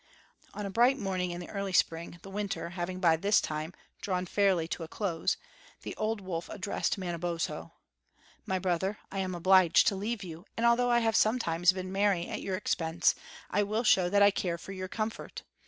On a bright morning in the early spring, the winter having by this time drawn fairly to a close, the old wolf addressed Manabozho: "My brother, I am obliged to leave you; and although I have sometimes been merry at your expense, I will show that I care for your comfort.